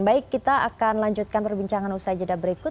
baik kita akan lanjutkan perbincangan usai jeda berikut